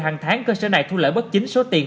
hàng tháng cơ sở này thu lợi bất chính số tiền